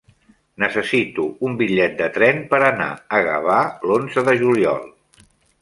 Necessito un bitllet de tren per anar a Gavà l'onze de juliol.